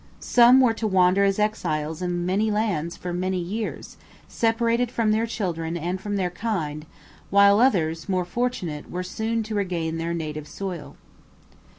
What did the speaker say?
Some were to wander as exiles in many lands for many years, separated from their children and from their kind, while others, more fortunate, were soon to regain their native soil.